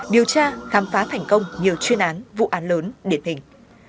điều tra khám phá thành công nhiều chuyên án vụ án lớn điển hình